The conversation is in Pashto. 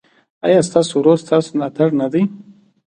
ایا ستاسو ورور ستاسو ملاتړ نه دی؟